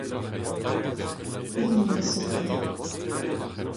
Ugent vloaz 'zo bremañ.